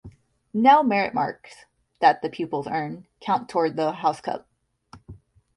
Now merit marks, that the pupils earn, count toward the house cup.